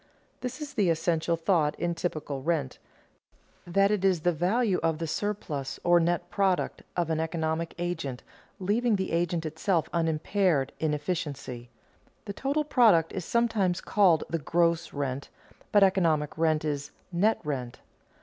This is the essential thought in typical rent that it is the value of the surplus, or net product, of an economic agent leaving the agent itself unimpaired in efficiency. The total product is sometimes called the "gross rent," but economic rent is "net rent."